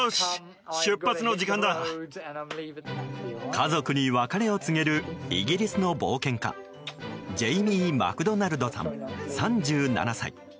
家族に別れを告げるイギリスの冒険家ジェイミー・マクドナルドさん３７歳。